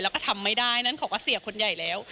แล้วก็ทำไม่ได้นั้นเขาก็เสียคนใหญ่แล้ว